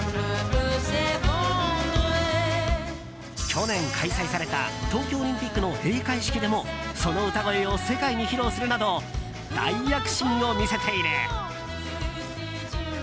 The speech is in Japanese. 去年開催された東京オリンピックの閉会式でもその歌声を世界に披露するなど大躍進を見せている。